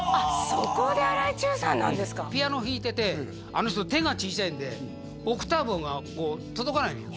そこで荒井注さんなんですかピアノ弾いててあの人手が小さいんでオクターブがこう届かないのよ